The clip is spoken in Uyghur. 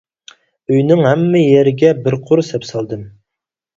ئۆينىڭ ھەممە يېرىگە بىر قۇر سەپ سالدىم.